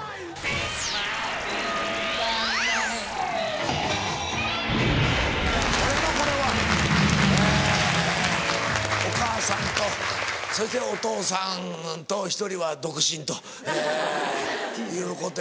えお母さんとそしてお父さんと１人は独身ということやけど。